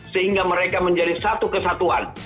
sehingga mereka menjadi satu kesatuan